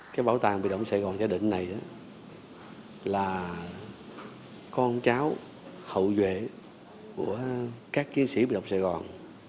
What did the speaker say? cái bảo tàng biệt động sài gòn gia đình này là con cháu hậu duệ của các chiến sĩ biệt động sài gòn